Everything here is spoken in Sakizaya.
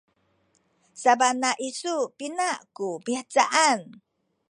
sabana isu pina ku mihcaan?